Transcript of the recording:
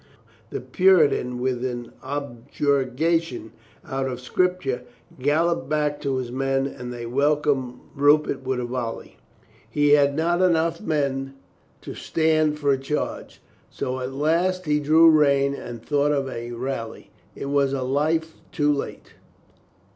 The Puritan with an objurgation out of scripture galloped back to his men and they welcomed Rupert with a volley. He THE KING TURNS 327 had not enough men to hand for a charge. So at last he drew rein and thought of a rally. It was a life too late.